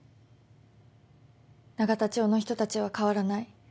永田町の人たちは変わらない。